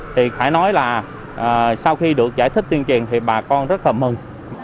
thì phải nói là sau khi được giải thích tuyên truyền thì bà con rất là mừng